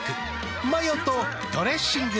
マヨとドレッシングで。